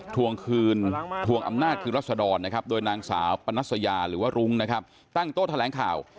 ถวงอำนาจคือรัศดรโดยนางสาวปันนัสยาหรือว่าฤงตั้งโต๊ะแถลงข่าว